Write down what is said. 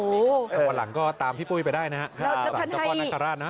วันหลังก็ตามพี่ปุ้ยไปได้นะครับหลังจากก้อนนักขราชนะ